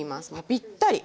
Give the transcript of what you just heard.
ぴったり！